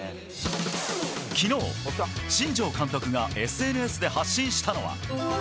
昨日、新庄監督がＳＮＳで発信したのは。